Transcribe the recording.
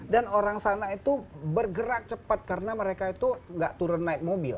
dan orang sana itu bergerak cepat karena mereka itu enggak turun naik mobil